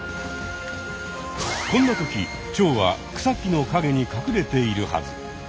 こんな時チョウは草木の陰に隠れているはず！